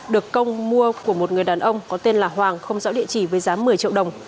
được công mua của một người đàn ông có tên là hoàng không rõ địa chỉ với giá một mươi triệu đồng